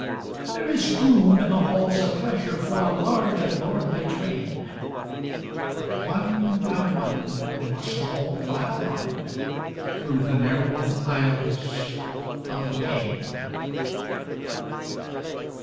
There is room in the halls of pleasure For a large and lordly train, But one by one we must all file on Through the narrow aisles of pain.